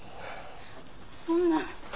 そんな。